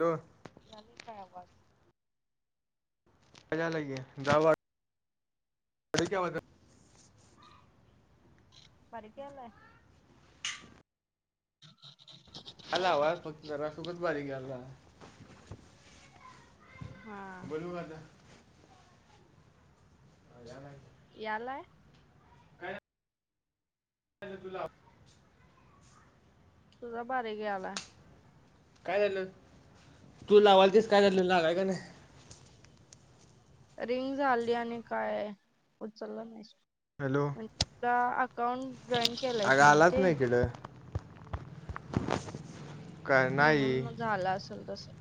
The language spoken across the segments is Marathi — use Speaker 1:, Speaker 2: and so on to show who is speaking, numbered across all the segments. Speaker 1: दो
Speaker 2: याले काय आवाज?
Speaker 1: मजा लागे जावा [unintelligible]
Speaker 2: बारीक यायलय [unintelligible]
Speaker 1: आला आवाज फक्त जरासा उगच बारीक यायला.
Speaker 2: हा.
Speaker 1: बोलू का आता? [unintelligible]
Speaker 2: याला आहे.
Speaker 1: काय [unintelligible]
Speaker 2: तुझा बारीक यायलाय.
Speaker 1: काय झालं तू लावालतेस काय झालं लागाय का नाही?
Speaker 2: रिंग झाली आणि काय उचललं नाही.
Speaker 1: हॅलो.
Speaker 2: तर अकाउंट जॉईन केलायच
Speaker 1: अगं आलाच
Speaker 2: नव्हते
Speaker 1: नाही [unintelligible] नाही
Speaker 2: म्हणून म झाला असेल तसं.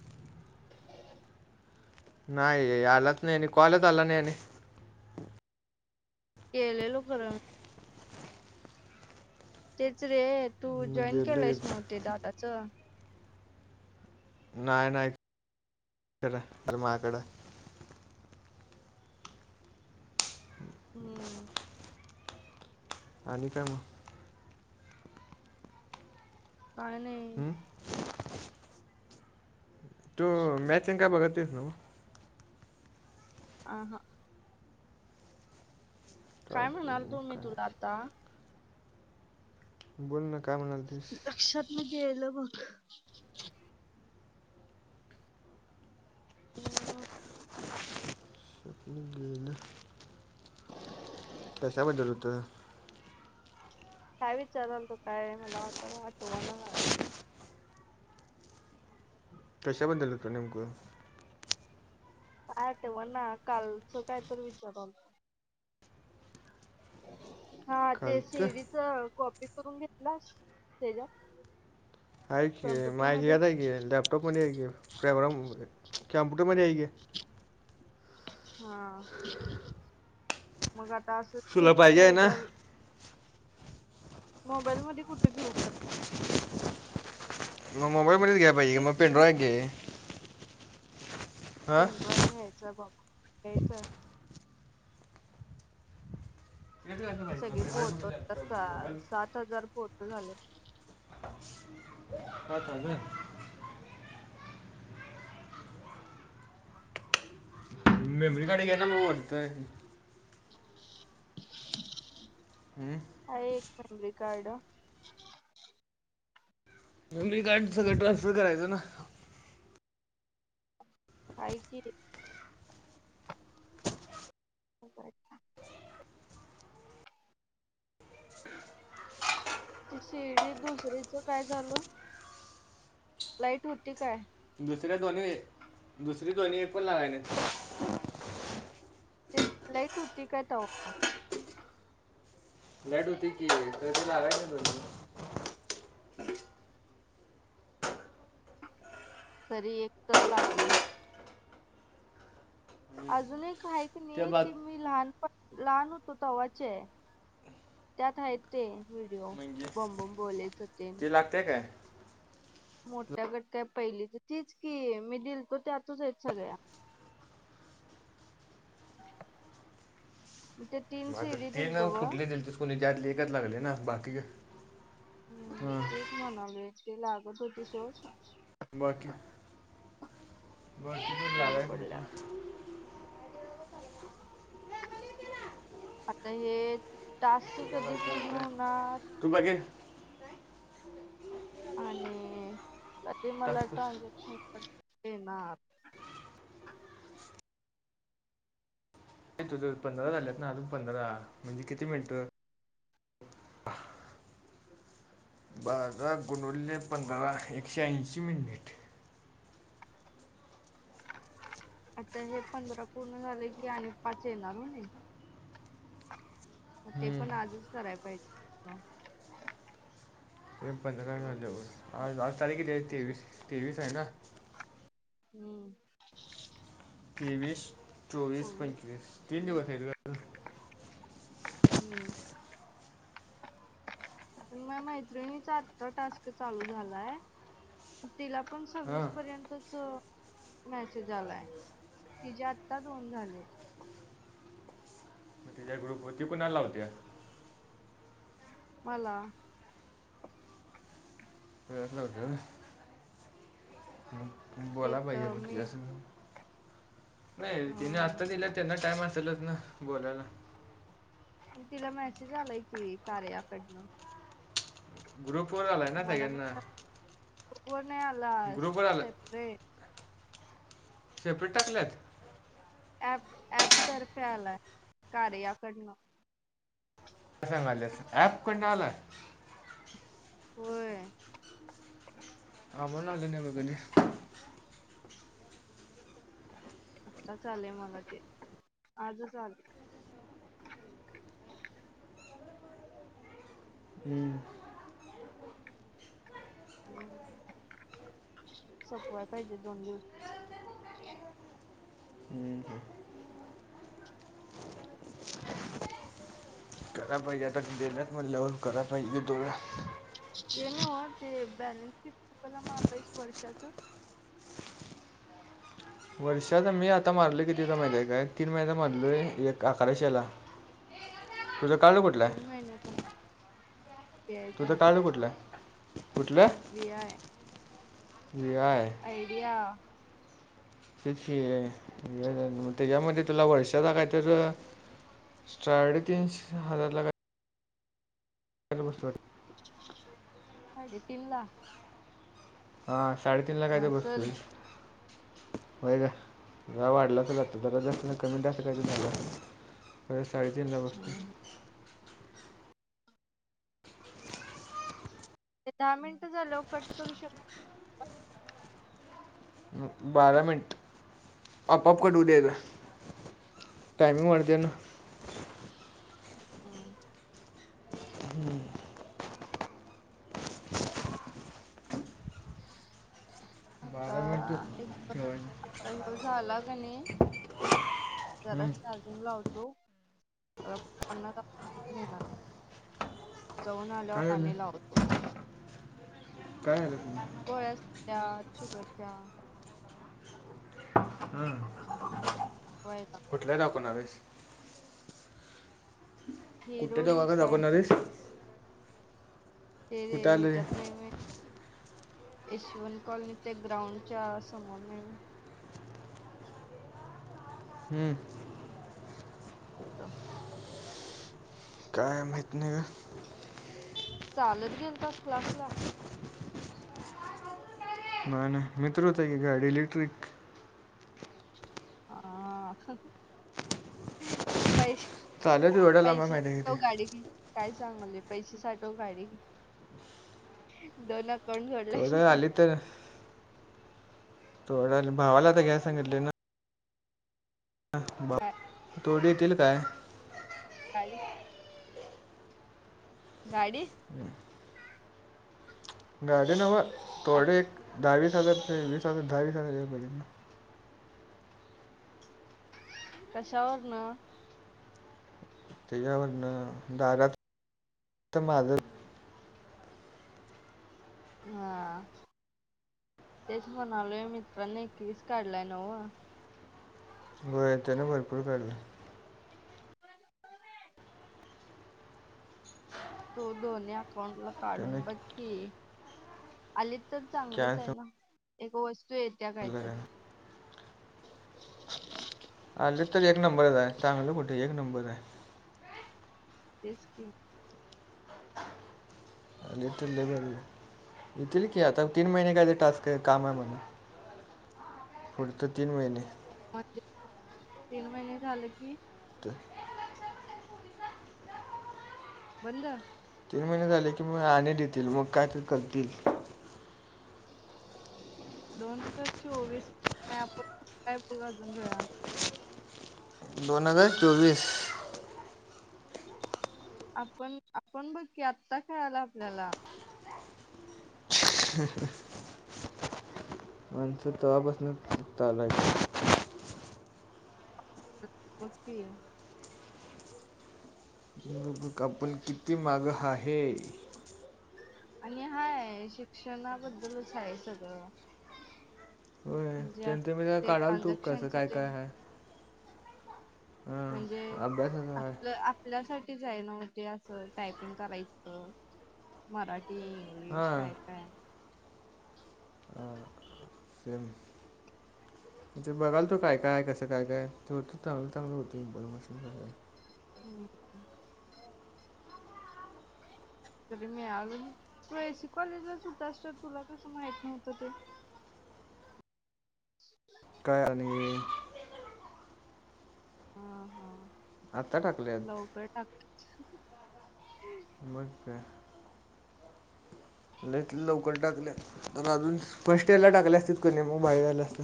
Speaker 1: नाही यालाच नाही आणि कॉलच आला नाही आणि
Speaker 2: केलेलो खरं. तेच रे तू
Speaker 1: मी
Speaker 2: जॉईन
Speaker 1: गेलो
Speaker 2: केलं आहेस
Speaker 1: एक
Speaker 2: नव्हते दादाचं?
Speaker 1: नाय नाय तर माझाकडं
Speaker 2: हम्म.
Speaker 1: आणि काय म?
Speaker 2: काय नाही.
Speaker 1: हम्म. तो मॅचिंग काय बघतेस नव्हं?
Speaker 2: आ हा. काय म्हणाल
Speaker 1: उपयोग मग
Speaker 2: तो मी तुला
Speaker 1: काय
Speaker 2: आता?
Speaker 1: बोल ना काय म्हणालतीस?
Speaker 2: म गेलो बघ. [unintelligible]
Speaker 1: [inaudible] गेलं. कशा बद्दल होतं?
Speaker 2: काय विचाराल तो काय मला वाटनं आठवना झालय.
Speaker 1: कशाबद्दल होतं नेमकं?
Speaker 2: काय तेव्हा ना कालचं काय तर विचारावल. हा ते
Speaker 1: कालतं
Speaker 2: शिडीच कॉपी करून घेतलास तेज्यात
Speaker 1: हाय की माझ्या ह्यात आहे की लॅपटॉप मध्ये आहे की फेब्रम कॅमप्युटरमध्ये आहे की.
Speaker 2: हा, मग आता असं सी
Speaker 1: तुला
Speaker 2: इ टी
Speaker 1: पाहिजे
Speaker 2: च्या
Speaker 1: आहे ना
Speaker 2: एकझाम मोबाईल मध्ये कुठे घेऊ खरं?
Speaker 1: मग मोबाईलमध्येच घ्याया पाहिजे
Speaker 2: ते
Speaker 1: म
Speaker 2: दुसरी
Speaker 1: पेनड्रॉय घे. हां
Speaker 2: पेनड्रॉय घ्यायचाय बाबा घ्यायचाय. सगळी फोटो त आता,
Speaker 1: मोबाईल
Speaker 2: सात हजार फोटो झालं.
Speaker 1: [unintelligible]
Speaker 2: [inaudible]
Speaker 1: [unintelligible]
Speaker 2: आहे एक मेमरी कार्ड.
Speaker 1: मेमरी कार्ड, सगळं ट्रान्सफर करायचं ना.
Speaker 2: हाय की ती सी डी दुसरीच काय झालं? लाईट होती काय?
Speaker 1: दुसऱ्या दोन्ही, दुसरी दोन्ही एक पण लागायनित.
Speaker 2: तेचं लाईट हुती काय तव्हा?
Speaker 1: लाइट, होती की कधी लगायच बरोबर.
Speaker 2: [inaudible] तरी, एक तर लागली. अजून एक हाये
Speaker 1: ते बाद
Speaker 2: मी लहान, पण लहान, होतो तव्हाचे त्यात आहेत ते व्हिडिओ,
Speaker 1: म्हणजे
Speaker 2: बॉमबम बोलेच होते.
Speaker 1: ते लागते काय?
Speaker 2: मोठ्या गटत्या, पहिली तर तिचं की मी दिलतो त्यातच आहेत सगळ्या. ते तीन
Speaker 1: म- आता
Speaker 2: सीडी
Speaker 1: ते ना
Speaker 2: दिलतो ब
Speaker 1: कुठले दिलतीस कोणी त्यातली, एकच लागले ना बाकी-
Speaker 2: हम्म
Speaker 1: हा
Speaker 2: तेचं म्हणाले ते लागत होती चवं बंद पडल्यात
Speaker 1: [unintelligible]
Speaker 2: [inaudible] आता हे टास्क, ते पूर्ण होणार?
Speaker 1: तू बागे
Speaker 2: आणि ते मला
Speaker 1: टास्क
Speaker 2: ट्रानझॅक्शन पण येणार?
Speaker 1: तुझं पंधरा, झाल्यात ना अजून पंधरा, म्हणजे किती मिनीटं?
Speaker 2: [inaudible]
Speaker 1: बारा गुनुले पंधरा, एकशे ऐशी मिनिट.
Speaker 2: आता हे पंधरा पूर्ण झाले की, आणि पाच येणार होणे? मग ते
Speaker 1: हम्म
Speaker 2: पण आजच करायला पाहिजे.
Speaker 1: हे पंधरा
Speaker 2: चोवीस
Speaker 1: झाल्यावर आज - आज तारीख किती आहे तेवीस- तेवीस आहे ना?
Speaker 2: हम्म,
Speaker 1: तेवीस- चोवीस -पंचवीस, तीन दिवस आहे का?
Speaker 2: हम्म, माह्या मैत्रिणीचा, आता टास्क चालू झालाय तिला पण
Speaker 1: हां
Speaker 2: सव्वीस पर्यंतच मेसेस आलंय तिचे आत्ता दोन झाले.
Speaker 1: होती ती कुणाला लावत्या.
Speaker 2: मला?
Speaker 1: [inaudible] बोला
Speaker 2: एक
Speaker 1: भैया
Speaker 2: मी
Speaker 1: तिज्या संग? नाही तिने आत्ता
Speaker 2: ह
Speaker 1: दिला त्यांना टाइम असेलच ना बोलायला.
Speaker 2: म तिला मेसेज आलायं कि कार्याकडनं.
Speaker 1: ग्रुप वर आलाय ना सगळ्यांना.
Speaker 2: फोन नाही आला
Speaker 1: ग्रुपवर आला
Speaker 2: सेपरेट.
Speaker 1: सेपरेट टाकलाय.
Speaker 2: ॲप ऍपतर्फे आलाय कार्याकडनं.
Speaker 1: क्या बात है? ॲप कडन आलाय?
Speaker 2: होय.
Speaker 1: [unintelligible]
Speaker 2: आत्ताच आलेय मला ते आजच आले.
Speaker 1: हम्म.
Speaker 2: [inaudible] सोपवाय पाहिजे दोन दिवस.
Speaker 1: हम्म ह.
Speaker 2: [inaudible] [unintelligible]
Speaker 1: काय पाहिजे आता [unintelligible] म्हणल्यावर कराय पाजे दोड.
Speaker 2: [unintelligible] बॅलेन्स किती तुला मारलया वर्षाच.
Speaker 1: वर्षाला मी आता मारलोय कितीचा महिती आहे काय तीन महिन्याचा मारलोय एक अकराशे ला. तुझं कार्ड वट.
Speaker 2: तीन महिन्याच मॉथ.
Speaker 1: तुझं कार्ड कुठलं? कुठलं?
Speaker 2: वीआय
Speaker 1: व्हीआय.
Speaker 2: आयडिया.
Speaker 1: त्याच्यामध्ये तुला वर्षाला काय त्याचं? साडेतीनशे हजारला काय? [unintelligible]
Speaker 2: साडेतीनला.
Speaker 1: हा साडेतीन ला काय तर बसतोय
Speaker 2: नसल
Speaker 1: वय काय? वय वाढल [unintelligible] परत साडेतीन ला बसत.
Speaker 2: ते दहा मिनिट झाल लऊ कट करू शक
Speaker 1: हुं बारा मिंट आपोआप कट होऊ देे न. टायमिंग वाढतंय ना.
Speaker 2: अ. आत्ता
Speaker 1: बारा मिनिट
Speaker 2: एक.
Speaker 1: ठेवायचं
Speaker 2: [unintelligible] तो झाला की मी जरा
Speaker 1: हम्म.
Speaker 2: चार्जिंग लावतो. आ पप्पांना [unintelligible] नेणार आहेत. जाऊन
Speaker 1: काय
Speaker 2: आल्यावर.
Speaker 1: झालं
Speaker 2: [unintelligible]
Speaker 1: काय झालं तुम्ही?
Speaker 2: गोळ्याच त्या शुगर च्या.
Speaker 1: हम्म.
Speaker 2: होय ना.
Speaker 1: [unintelligible] कुठ्टे तो
Speaker 2: हिरोली
Speaker 1: वाघा
Speaker 2: काय
Speaker 1: दाखवणारेस?
Speaker 2: ते
Speaker 1: कुठं आलं रे
Speaker 2: ह्याच्यात नाई वाई. यशवंत कॉलेजच्या ग्राउंडच्या समोर नाही माहित.
Speaker 1: हम्म.
Speaker 2: [inaudible]
Speaker 1: माहित नाही अ.
Speaker 2: चालत गेलतास क्लास ला?
Speaker 1: नाही मित्र होता की गाडी इलेक्ट्रिक
Speaker 2: पैसे
Speaker 1: चालत एवढ्या लांब
Speaker 2: पैसे
Speaker 1: माहिती आहे
Speaker 2: साठव
Speaker 1: किती
Speaker 2: गाडी घे, काय सांगालोय पैसे साठव गाडी घे. दोन अकाउंट जोडलाईस
Speaker 1: थोडं
Speaker 2: नव्हं?
Speaker 1: आली तर थोड भावाला आता घ्याय सांगितले ना तोडी येतील काय?
Speaker 2: [unintelligible] गाडी
Speaker 1: गाडी नव्ह तोडे
Speaker 2: आता
Speaker 1: एक दहावीस हजार ते वीस हजार दहावीस हजार याय पाहिजेत ना.
Speaker 2: कशावरन?
Speaker 1: त्याच्यावरन दारात [unintelligible]
Speaker 2: हां तेच म्हणालोय मित्रांनी एक वीस काढलाय नव्ह?
Speaker 1: होय त्याने भरपूर काढलाय.
Speaker 2: दो दोन्ही अकाउंट ला
Speaker 1: त्यानं
Speaker 2: काढून बघ की. आलीत तर चांगलंच आहे
Speaker 1: कॅन्स
Speaker 2: ना. एक वस्तू येत्या काहीतरी.
Speaker 1: आले तर एक नंबरच आहे चांगलं कुठे एक नंबर आहे.
Speaker 2: तेच की.
Speaker 1: आलीत तर लई भारी होईल, येतील की आता तीन महिने काय तर टास्क आहे काम आहे म्हण. पुढचे तीन महिने.
Speaker 2: म्हणजे तीन महिने झाले की?
Speaker 1: [inaudible]
Speaker 2: बंद
Speaker 1: तीन महिने झाले की मग आणि देतील मग काय तरी करतील.
Speaker 2: दोन हजार चोवीस ॲप ॲप अजून [unintelligible]
Speaker 1: दोन हजार चोवीस.
Speaker 2: आपण आपण बघ की आत्ता कळालं आपल्याला.
Speaker 1: [inaudible] आमचं तवा पासन चालू आहे की.
Speaker 2: बघ की.
Speaker 1: आपण किती मागं आहे?
Speaker 2: आणि हाय शिक्षणाबद्दलच आहे सगळं.
Speaker 1: होय
Speaker 2: म्हणजे असं
Speaker 1: त्यांच मी जरा
Speaker 2: ते
Speaker 1: काढालतो, कसं
Speaker 2: ट्रान्झॅक्शनच
Speaker 1: काय काय
Speaker 2: तेन
Speaker 1: आहे?
Speaker 2: म्हणजे
Speaker 1: हां अभ्यासाचं आहे
Speaker 2: आपलं आपल्यासाठीच आहे नव्ह ते असं टायपिंग करायचं मराठी इंग्लिश
Speaker 1: हां
Speaker 2: काय काय
Speaker 1: हां [unintelligible] म्हणजे बघालतो काय काय कसं काय काय होत चांगलं चांगलं होत इन्फॉर्मेशन.
Speaker 2: हम्म. तरी मिळालं, तू ए. एस. सी. कॉलेजलाच होतास तर तुला कसं माहित नव्हतं ते? [inaudible]
Speaker 1: काय आणि?
Speaker 2: हां हां
Speaker 1: आत्ता टाकल्यात
Speaker 2: लवकर टाक.
Speaker 1: मग काय. लईच लवकर टाकल्या तर अजून फर्स्ट इयरला टाकल्या असतित कणी मग भारी झालं असतं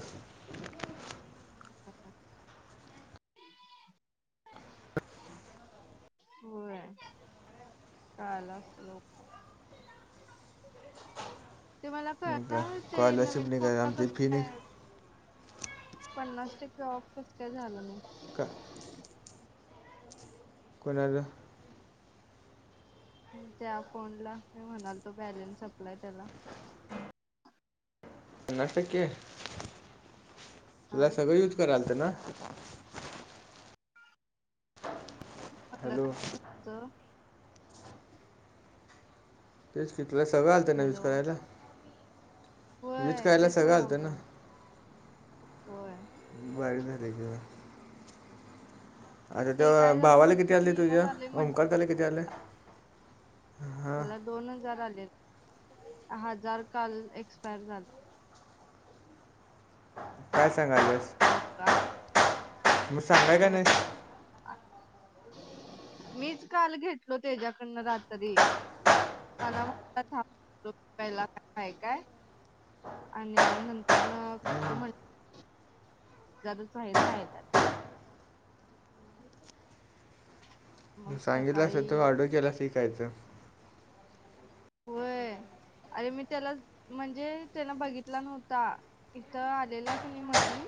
Speaker 2: हम् [unintelligible] होय कळालं असतं लवकर ते मला
Speaker 1: मग
Speaker 2: कळंना
Speaker 1: काय
Speaker 2: ते
Speaker 1: स्कॉलरशिप
Speaker 2: नवीन
Speaker 1: निघाली
Speaker 2: [unintelligible]
Speaker 1: आमची
Speaker 2: कस
Speaker 1: फी निघ
Speaker 2: आहे पन्नास टक्के ऑफ कसं काय झालं
Speaker 1: का
Speaker 2: नाही
Speaker 1: कोणाचं
Speaker 2: त्या फोनच्या अकाउंटला मी म्हणालतो बॅलेन्स सपलाय त्याला
Speaker 1: पन्नास टक्के
Speaker 2: हा
Speaker 1: तुला सगळं युज कराय आलतं ना हॅलो
Speaker 2: जरा
Speaker 1: तेच की तुला सगळं आलतं ना यूज
Speaker 2: हॅलो
Speaker 1: करायला यूज
Speaker 2: होय
Speaker 1: करायला
Speaker 2: तेच
Speaker 1: सगळं आलं ना
Speaker 2: म्हणालोय होय
Speaker 1: वायी झाल्या गं आता
Speaker 2: ते
Speaker 1: तेव्हा
Speaker 2: काय झालं
Speaker 1: भावाला किती
Speaker 2: ओटीपी
Speaker 1: आले
Speaker 2: येईना
Speaker 1: तुझ्या
Speaker 2: झालय
Speaker 1: ओमकार
Speaker 2: म्हटलं
Speaker 1: दा
Speaker 2: बघ
Speaker 1: ला किती आले हां
Speaker 2: त्याला दोन हजार आलेत हजार काल एक्सपायर झाला
Speaker 1: काय सांगायल्यास
Speaker 2: भातात
Speaker 1: सांगाय का नाहीस
Speaker 2: मीच काल घेतलो तेच्याकडनं रात्री मला म ांलाय काय [unintelligible] आणि नंतरनं करतो म्हण
Speaker 1: हं,
Speaker 2: [unintelligible]
Speaker 1: मी
Speaker 2: मग
Speaker 1: सांगितलं असतं तर
Speaker 2: सकाळी
Speaker 1: ऑर्डर दिली असती काय तर
Speaker 2: होय अरे मी त्यालाच म्हणजे त्यानं बघितला नव्हता इथं आलेला कणी मधी